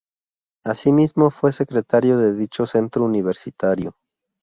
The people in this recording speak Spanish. Asimismo fue secretario de dicho centro universitario.